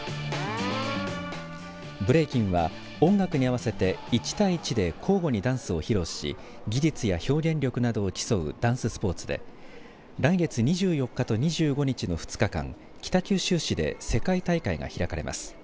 ブレイキンは、音楽に合わせて１対１で交互にダンスを披露し技術や表現力などを競うダンススポーツで来月２４日と２５日の２日間北九州市で世界大会が開かれます。